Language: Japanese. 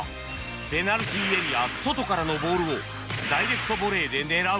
ペナルティーエリア外からのボールをダイレクトボレーで狙う